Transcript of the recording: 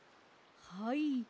はい。